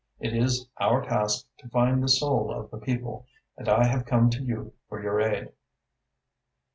It is our task to find the soul of the people. And I have come to you for your aid."